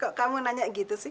kok kamu nanya gitu sih